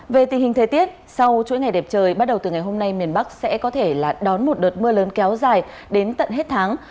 về tình hình thời tiết sau chuỗi ngày đẹp trời bắt đầu từ ngày hôm nay miền bắc sẽ có thể đón một đợt mưa lớn kéo dài đến tận hết tháng